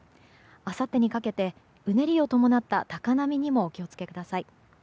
あさってにかけてうねりを伴った高波にもお気を付けください。